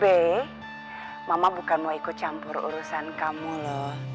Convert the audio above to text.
b mama bukan mau ikut campur urusan kamu loh